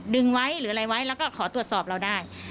ดึงไว้หรืออะไรไว้แล้วก็ขอตรวจสอบเราได้